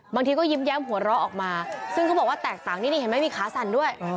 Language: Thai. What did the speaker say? บางทีก็ยิ้มแย้มหัวเราะออกมาซึ่งเขาบอกว่าแตกต่างนี่เห็นไหมมีขาสั่นด้วย